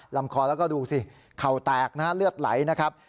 ลำคอแล้วก็ดูสิเข่าแตกนะฮะเลือดไหลนะครับ